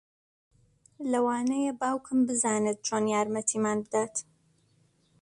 لەوانەیە باوکم بزانێت چۆن یارمەتیمان بدات